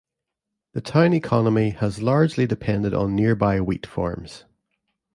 The town economy has largely depended on the nearby wheat farms.